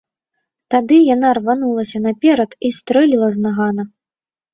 Тады яна рванулася наперад і стрэліла з нагана.